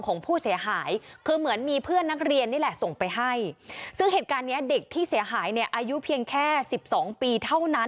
ของผู้เสียหายคือเหมือนมีเพื่อนนักเรียนนี่แหละส่งไปให้ซึ่งเหตุการณ์เนี้ยเด็กที่เสียหายเนี่ยอายุเพียงแค่สิบสองปีเท่านั้น